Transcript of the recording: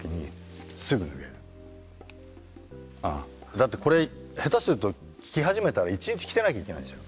だってこれ下手すると着始めたら一日着てなきゃいけないんですよ。